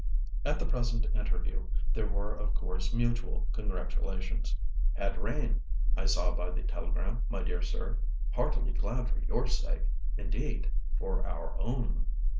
At the present interview there were of course mutual congratulations. "Had rain, I saw by the telegram, my dear sir. Heartily glad for your sake—indeed, for our own.